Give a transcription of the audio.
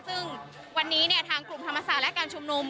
ซึ่งวันนี้ทางกลุ่มธรรมศาสตร์และการชุมนุม